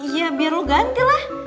ya biar lo ganti lah